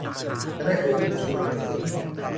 จะได้ผู้อุ้มชูสนับสนุน